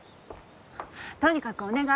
とにかくお願い。